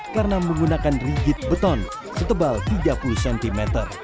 karena menggunakan rigid beton setebal tiga puluh cm